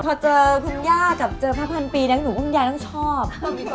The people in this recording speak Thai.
พอเจอคุณย่ากับเจอแม่พันปีนะหนูว่าคุณยายต้องชอบ